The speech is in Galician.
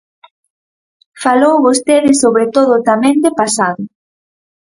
Falou vostede sobre todo tamén de pasado.